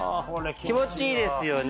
気持ちいいですよね。